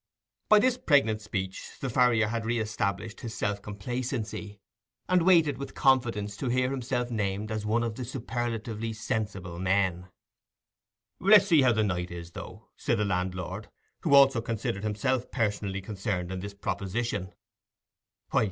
By this pregnant speech the farrier had re established his self complacency, and waited with confidence to hear himself named as one of the superlatively sensible men. "Let us see how the night is, though," said the landlord, who also considered himself personally concerned in this proposition.